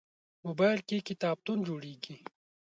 موبایل کې کتابتون جوړېږي.